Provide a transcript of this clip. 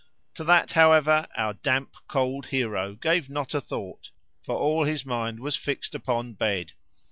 To that, however, our damp, cold hero gave not a thought, for all his mind was fixed upon bed.